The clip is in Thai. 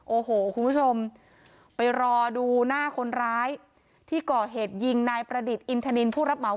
โอ้โหคุณผู้ชมไปรอดูหน้าคนร้ายที่ก่อเหตุยิงนายประดิษฐ์อินทนินผู้รับเหมา